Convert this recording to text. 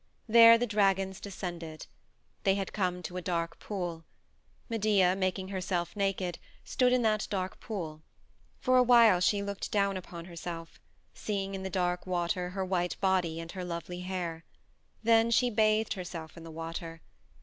There the dragons descended. They had come to a dark pool. Medea, making herself naked, stood in that dark pool. For a while she looked down upon herself, seeing in the dark water her white body and her lovely hair. Then she bathed herself in the water.